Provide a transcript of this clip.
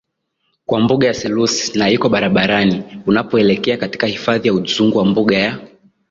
kwa mbuga ya Selous na iko barabarani unapoelekea katika hifadhi ya Udzungwa mbuga ya